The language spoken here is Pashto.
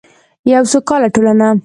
یوه سوکاله ټولنه.